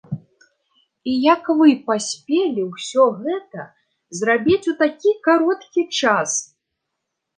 І як вы паспелі ўсё гэта зрабіць у такі кароткі час?